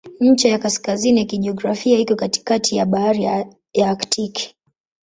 Ncha ya kaskazini ya kijiografia iko katikati ya Bahari ya Aktiki.